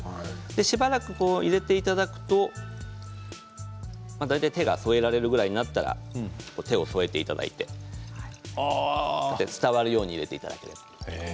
しばらく入れていただくと大体、手が添えられるぐらいになったら手を添えていただいて伝わるように入れていただく。